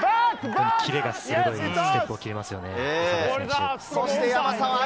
キレが鋭いステップを切っていますよね。